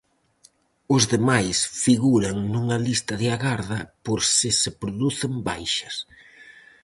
Os demais figuran nunha lista de agarda por se se producen baixas.